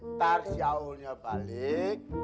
ntar si ahulnya balik